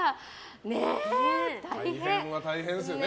大変は大変ですよね